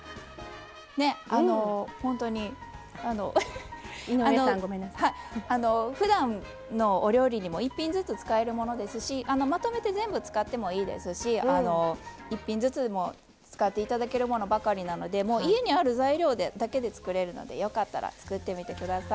ねえほんとにふだんのお料理にも１品ずつ使えるものですしまとめて全部使ってもいいですし１品ずつも使って頂けるものばかりなので家にある材料だけで作れるのでよかったら作ってみてください。